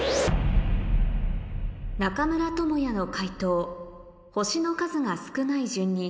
中村倫也の解答星の数が少ない順に